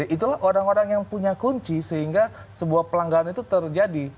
itulah orang orang yang punya kunci sehingga sebuah pelanggaran itu terjadi